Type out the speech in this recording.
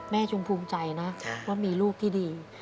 จงภูมิใจนะว่ามีลูกที่ดี